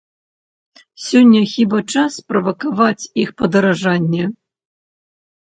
Сёння хіба час правакаваць іх падаражанне?